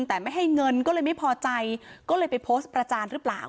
แต่ไม่ให้เงินก็เลยไม่พอใจก็เลยไปโพสต์ประจานหรือเปล่า